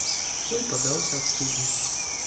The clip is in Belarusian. Той падаўся ад студні.